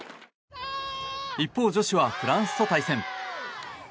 一方、女子はフランスと対戦。